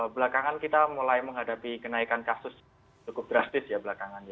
belakangan kita mulai menghadapi kenaikan kasus cukup drastis ya belakangan